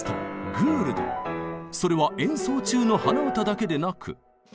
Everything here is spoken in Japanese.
それは演奏中の鼻歌だけでなく。